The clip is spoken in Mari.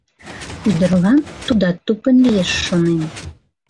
Ӱдырлан тудат тупынь лиеш, шонен.